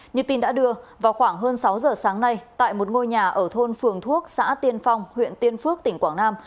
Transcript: như tin đã đưa vào khoảng hơn sáu giờ sáng nay tại một ngôi nhà ở thôn phường thuốc xã tiên phong huyện tiên phước tỉnh quảng nam